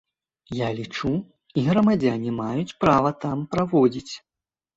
Я лічу, і грамадзяне маюць права там праводзіць.